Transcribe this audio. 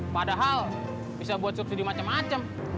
padahal bisa buat subsidi macam macam